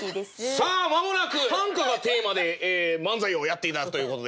さあ間もなく短歌がテーマで漫才をやって頂くということで。